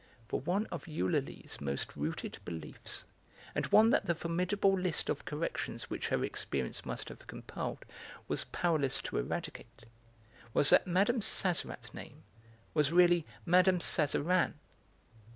For one of Eulalie's most rooted beliefs, and one that the formidable list of corrections which her experience must have compiled was powerless to eradicate, was that Mme. Sazerat's name was really Mme. Sazerin.